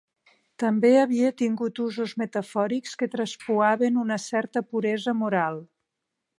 També havia tingut usos metafòrics que traspuaven una certa puresa moral.